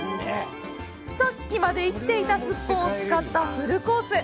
さっきまで生きていたすっぽんを使ったフルコース。